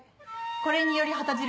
これにより旗印